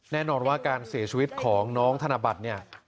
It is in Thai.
แน่นอนว่าการเสียชีวิตของน้องธนบัตรเนี่ย